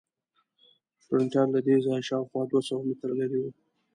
پرنټر له دې ځایه شاوخوا دوه سوه متره لرې و.